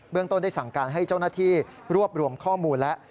ต้นได้สั่งการให้เจ้าหน้าที่รวบรวมข้อมูลแล้ว